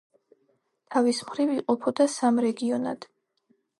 თავის მხრივ იყოფოდა სამ რეგიონად.